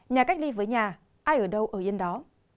nhà cách ly với nhà ai ở đâu ở yên đó